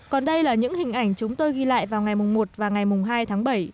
còn đây là những hình ảnh chúng tôi ghi lại vào ngày một và ngày hai tháng bảy